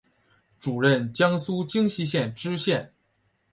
署任江苏荆溪县知县。